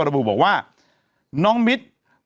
ไม่มีคาแสดงจริงหรอ